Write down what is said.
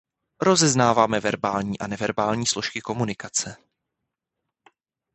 Rozeznáváme verbální a neverbální složky komunikace.